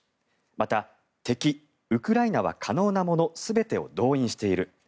また、敵ウクライナは可能なもの全てを動員している。